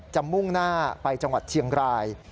มุ่งหน้าไปจังหวัดเชียงราย